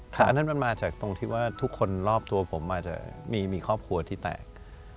แต่อันนั้นมันมาจากตรงที่ว่าทุกคนรอบตัวผมอาจจะมีครอบครัวที่แตก